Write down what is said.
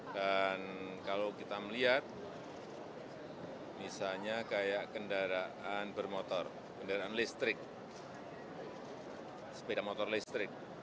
dan kalau kita melihat misalnya kayak kendaraan bermotor kendaraan listrik sepeda motor listrik